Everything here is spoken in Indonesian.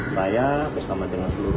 saya bersama dengan seluruh